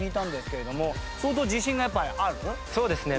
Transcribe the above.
そうですね。